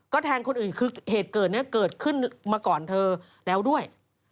แทงคนอื่นคือเหตุเกิดนี้เกิดขึ้นมาก่อนเธอแล้วด้วย